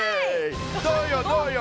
どうよどうよ？